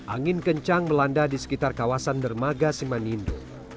angin kencang melanda di sekitar kawasan dermaga simanindo